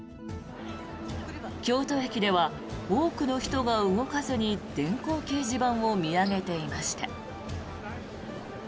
京都駅では多くの人が動かずに電光掲示板を見上げていました。